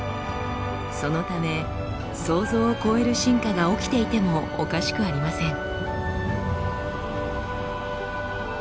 そのため想像を超える進化が起きていてもおかしくありません。